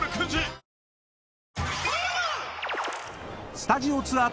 ［スタジオツアー